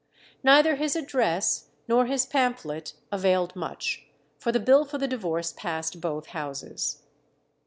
Neither his address nor his pamphlet availed much, for the bill for the divorce passed both Houses.